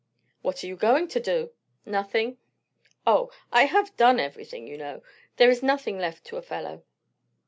"What are you going to do?" "Nothing. O, I have done everything, you know. There is nothing left to a fellow."